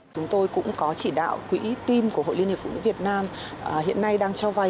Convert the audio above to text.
chúng tôi cũng có chỉ đạo quỹ team của hội liên hiệp phụ nữ việt nam hiện nay đang cho vay